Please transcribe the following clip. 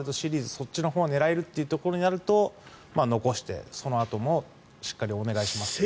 そっちのほうを狙えるということになると残して、そのあともしっかりお願いしますという。